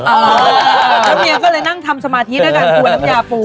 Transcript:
แล้วเมียก็เลยนั่งทำสมาธิด้วยการกลัวน้ำยาปู